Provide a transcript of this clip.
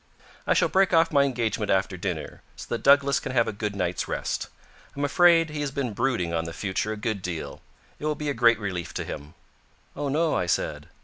"I shall break off my engagement after dinner, so that Douglas can have a good night's rest. I'm afraid he has been brooding on the future a good deal. It will be a great relief to him." "Oh, no," I said.